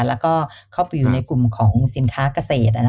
แล้วก็เข้าไปอยู่ในกลุ่มของสินค้าเกษตร